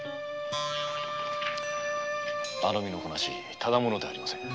あの身のこなしただ者ではありません。